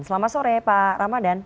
selamat sore pak ramadan